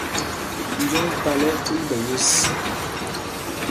Joŋ pal ɛ́ ɛ́ kúl ɓɛ̌ yes.